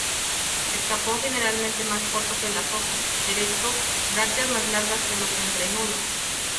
Escapo generalmente más corto que las hojas, erecto; brácteas más largas que los entrenudos.